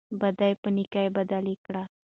بدي په نېکۍ بدله کړئ.